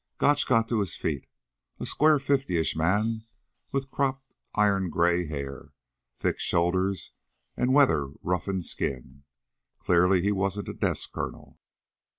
Gotch got to his feet, a square fiftyish man with cropped iron gray hair, thick shoulders and weather roughened skin. Clearly he wasn't a desk colonel.